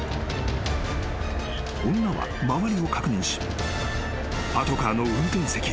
［女は周りを確認しパトカーの運転席へ］